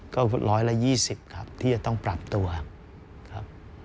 ก็๑๒๐ครับที่จะต้องปรับตัวครับ